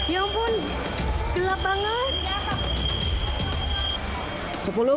ya ampun gelap banget